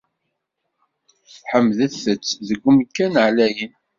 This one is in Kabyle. Ḥemdet- t deg umkan ɛlayen!